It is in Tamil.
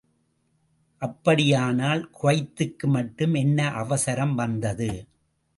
அப்படியானால் குவைத்துக்கு மட்டும் என்ன அவசரம் வந்தது?